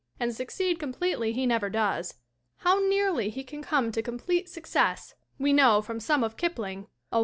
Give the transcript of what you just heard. And succeed completely he never does. How nearly he can come to complete success we know from some of Kipling, O.